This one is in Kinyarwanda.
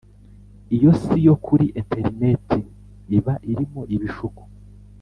Iyo si yo kuri interineti iba irimo ibishuko